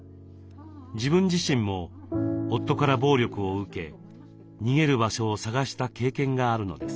自分自身も夫から暴力を受け逃げる場所を探した経験があるのです。